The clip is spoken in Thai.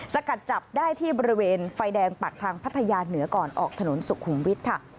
สกัดจับได้ที่บริเวณไฟแดงปากทางพัทยาเหนือก่อนออกถนนสุขุมวิทย์ค่ะ